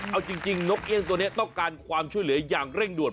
เอาจริงนกเอี่ยงตัวนี้ต้องการความช่วยเหลืออย่างเร่งด่วน